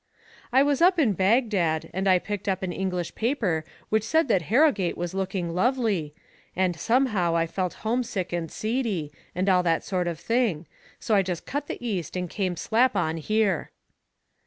" I was up in Bag dad, and I picked up an English paper which said that Harrogate was looking lovely, and somehow I felt homesick and seedy, and all that sort of thing, so I just cut the East and came slap on here."